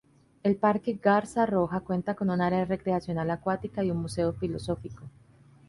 El Parque Garza Roja cuenta con un área recreacional acuática, y un museo filosófico.